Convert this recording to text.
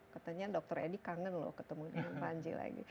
katanya dokter edi kangen loh ketemu dengan panji lagi